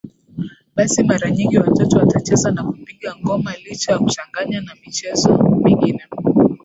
basi mara nyingi watoto watacheza na kupiga ngoma licha ya kuchanganya na michezo mingine